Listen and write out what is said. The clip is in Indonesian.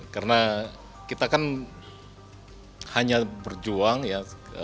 karena kita kan hanya berjuang ya